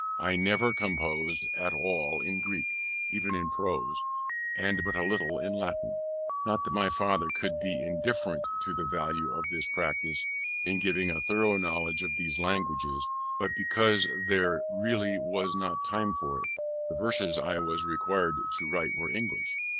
I never composed at all in Greek, even in prose, and but little in Latin. Not that my father could be indifferent to the value of this practice, in giving a thorough knowledge of these languages, but because there really was not time for it. The verses I was required to write were English.